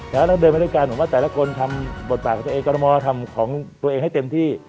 แล้วเราเดินมาด้วยกันผมว่าแต่ละคนทำบทบาทของตัวเองกรมอทำของตัวเองให้เต็มที่